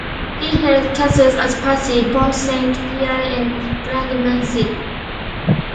He held castles at Pacy, Pont-Saint-Pierre and Grandmesnil.